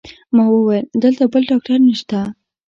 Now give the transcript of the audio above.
ما وویل: دلته بل ډاکټر نشته؟